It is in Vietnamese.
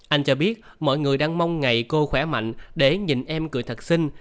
anh cho biết mọi người đang mong ngày cô khỏe mạnh để nhìn em cười thật sinh